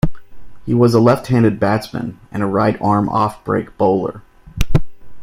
He was a left-handed batsman and a right-arm offbreak bowler.